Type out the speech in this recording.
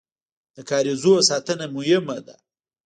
د کاریزونو ساتنه مهمه ده